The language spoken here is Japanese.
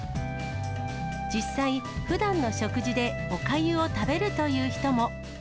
実際、ふだんの食事でおかゆを食べるという人も。